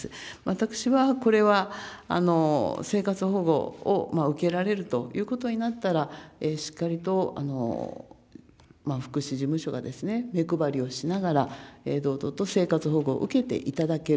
私は、これは生活保護を受けられるということになったら、しっかりと福祉事務所がですね、目配りをしながら、堂々と生活保護を受けていただける。